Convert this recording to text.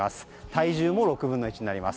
体重も６分の１になります。